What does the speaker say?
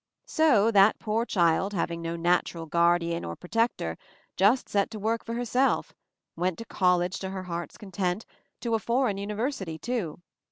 So that poor child, having no natural guardian or protector, just set to work for herself — went to college to her heart's con tent, to a foreign university, too.